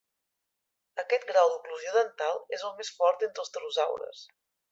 Aquest grau d'"oclusió dental" és el més fort d'entre els pterosaures.